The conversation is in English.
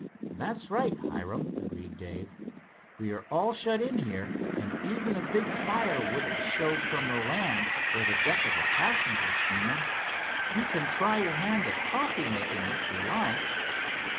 "That's right, Hiram," agreed Dave. "We are all shut in here, and even a big fire wouldn't show from the land or the deck of a passenger steamer. You can try your hand at coffee making, if you like."